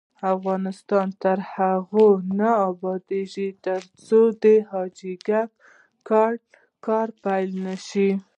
افغانستان تر هغو نه ابادیږي، ترڅو د حاجي ګک کان کار پیل نشي.